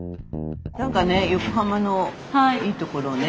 何かね横浜のいい所をね。